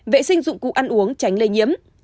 vệ sinh dụng cụ ăn uống tránh lây nhiễm